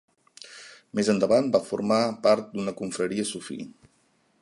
Més endavant va formar part d'una confraria sufí.